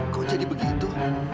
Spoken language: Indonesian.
kok jadi begitu